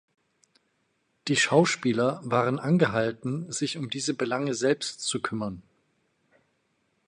Die Schauspieler waren angehalten, sich um diese Belange selbst zu kümmern.